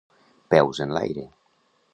Peus en l'aire.